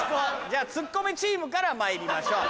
じゃあツッコミチームからまいりましょう。